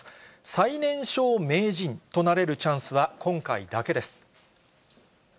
最年少名人となれるチャンスは、今回だけです。